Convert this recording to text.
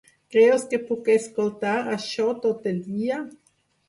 Creus que puc escoltar això tot el dia?